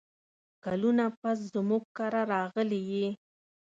کلونه پس زموږ کره راغلې یې !